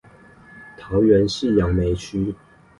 桃園市楊梅區